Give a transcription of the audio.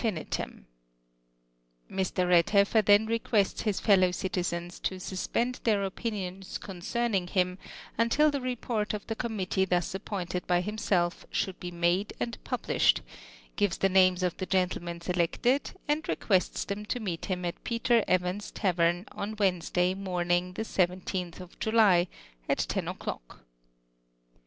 nitum" Mr. Redluffer then requests iiis fellow citizens to suspend their opinions concerning him, until the report of tlie commiltee, tluis appointed by himself, should be made and published; gives the names of the gentlemen selected, and requests them to meet liirn at Peter Evans' tavern on Wed nesday, morning the 17th of July, at 10 o'clock.